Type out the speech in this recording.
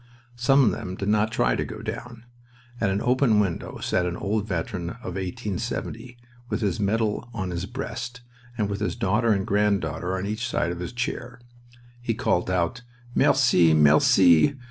Some of them did not try to go down. At an open window sat an old veteran of 1870 with his medal on his breast, and with his daughter and granddaughter on each side of his chair. He called out, "Merci! Merci!"